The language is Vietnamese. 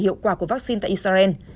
hiệu quả của vaccine tại israel